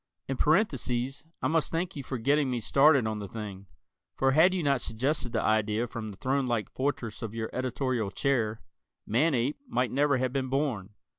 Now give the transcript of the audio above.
In parenthesis, I must thank you for getting me started on the thing, for had you not suggested the idea from the throne like fortress of your editorial chair, "Manape" might never have been born.